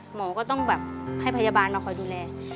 หมอก็ต้องแบบให้พยาบาลมาคอยดูแล